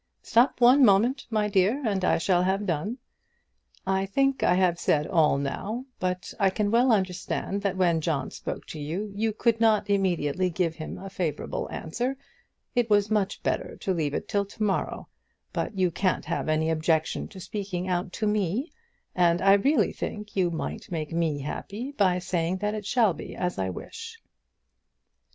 Stop one moment, my dear, and I shall have done. I think I have said all now; but I can well understand that when John spoke to you, you could not immediately give him a favourable answer. It was much better to leave it till to morrow. But you can't have any objection to speaking out to me, and I really think you might make me happy by saying that it shall be as I wish."